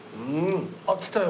あっ来たよ。